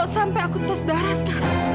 sampai aku tes darah sekarang